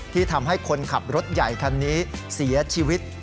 ที่ทำให้คนขับรถใหญ่คันนี้เสียชีวิต